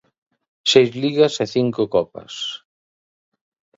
Seis ligas e cinco copas.